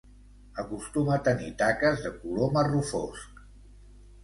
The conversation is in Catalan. Acostuma a tenir taques de color marró fosc.